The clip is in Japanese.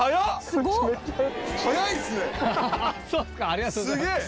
ありがとうございます。